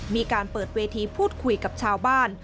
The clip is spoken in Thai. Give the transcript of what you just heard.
มีการเปิดเวทีพูดคุยกับชาวบ้าน